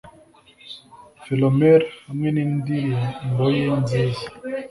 Philomel hamwe nindirimboye nziza